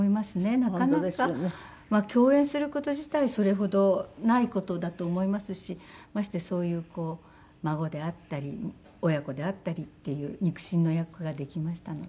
なかなか共演する事自体それほどない事だと思いますしましてそういう孫であったり親子であったりっていう肉親の役ができましたので。